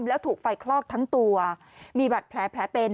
แล้วถูกไฟคลอกทั้งตัวมีบัตรแผลเป็น